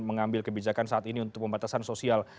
mengambil kebijakan saat ini untuk pembatasan sosial